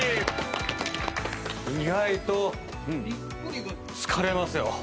意外と疲れますよ。